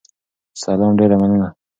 سلام، ډیره مننه